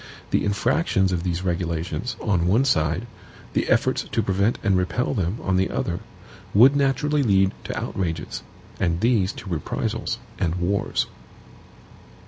The infractions of these regulations, on one side, the efforts to prevent and repel them, on the other, would naturally lead to outrages, and these to reprisals and wars.